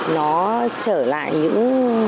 nó trở lại những